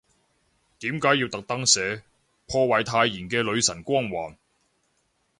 點解要特登寫，破壞太妍嘅女神光環